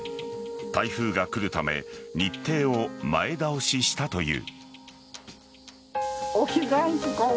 台風が来るため日程を前倒ししたという。